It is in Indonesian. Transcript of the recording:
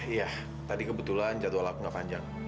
iya tadi kebetulan jadwal aku nggak panjang